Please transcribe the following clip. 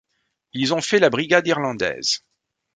Ils ont fait la Brigade irlandaise.